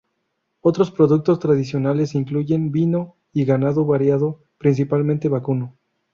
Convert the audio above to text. Otros productos tradicionales incluyen vino y ganado variado, principalmente vacuno.